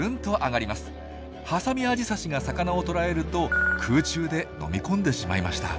ハサミアジサシが魚を捕らえると空中で飲み込んでしまいました。